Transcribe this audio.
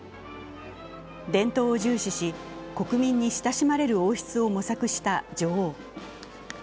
伝統を重視し国民に親しまれる王室を模索した女王。